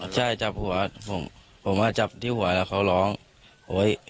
ใช่จับหัวผมผมมาจับที่หัวแล้วเขาร้องโอ๊ย